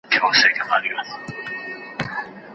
د اقتصاد پوهانو همېشه پر پرمختيا ټینګار کاوه.